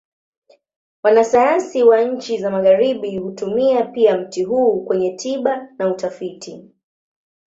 Wanasayansi wa nchi za Magharibi hutumia pia mti huu kwenye tiba na utafiti.